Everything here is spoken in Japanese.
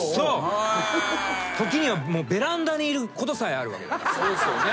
時にはベランダにいることさえあるわけだから。